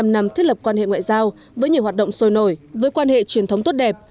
bảy mươi năm năm thiết lập quan hệ ngoại giao với nhiều hoạt động sôi nổi với quan hệ truyền thống tốt đẹp